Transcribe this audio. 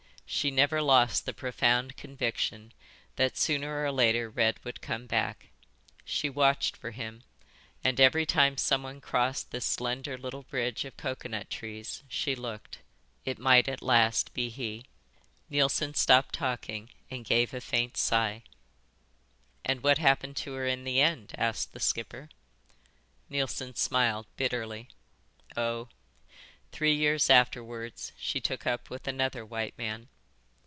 She never lost the profound conviction that sooner or later Red would come back. She watched for him, and every time someone crossed this slender little bridge of coconut trees she looked. It might at last be he." Neilson stopped talking and gave a faint sigh. "And what happened to her in the end?" asked the skipper. Neilson smiled bitterly. "Oh, three years afterwards she took up with another white man."